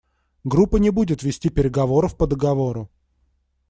Группа не будет вести переговоров по договору.